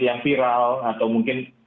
yang viral atau mungkin